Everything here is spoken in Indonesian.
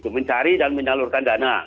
mencari dan menyalurkan dana